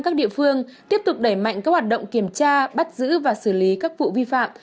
các địa phương tiếp tục đẩy mạnh các hoạt động kiểm tra bắt giữ và xử lý các vụ vi phạm